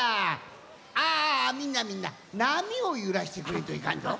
ああみんなみんななみをゆらしてくれんといかんぞ。